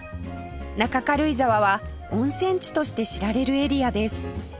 中軽井沢は温泉地として知られるエリアです